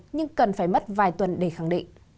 nhưng cần phải mất vài tuần để khẳng định